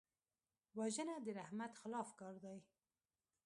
وژنه د رحمت خلاف کار دی